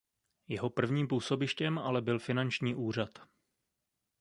Jeho prvním působištěm ale byl finanční úřad.